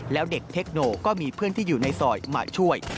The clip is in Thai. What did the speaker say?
แล้วเด็กเทคโนก็มีเพื่อนที่อยู่ในซอยมาช่วย